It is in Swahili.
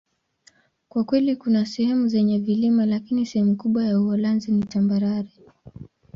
Kwa kweli, kuna sehemu zenye vilima, lakini sehemu kubwa zaidi ya Uholanzi ni tambarare.